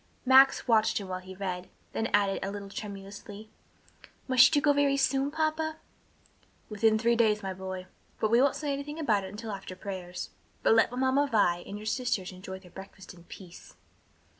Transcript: Max watched him while he read, then asked, a little tremulously, "Must you go very soon, papa?" "Within three days, my boy. But we won't say anything about it until after prayers, but let Mamma Vi and your sisters enjoy their breakfast in peace."